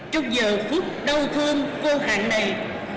trong giờ phút đau thương vô hạn này